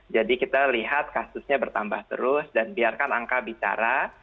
jadi kita lihat kasusnya bertambah terus dan biarkan angka bicara